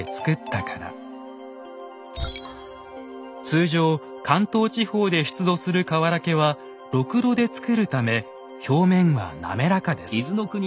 通常関東地方で出土するかわらけはろくろで使るため表面は滑らかです。